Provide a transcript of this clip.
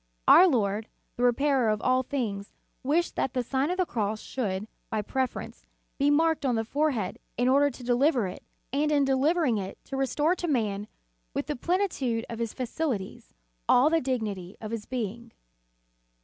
Our Lord, the Repairer of all things, wished that the Sign of the Cross should, by preference, be marked on the fore head, in order to deliver it, and in delivering it, to restore to man, with the plenitude of his faculties, all the dignity of his being.